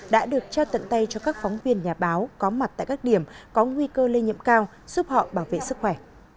đã được trao tận tay cho các phóng viên nhà báo có mặt tại các điểm có nguy cơ lây nhiễm cao giúp họ bảo vệ sức khỏe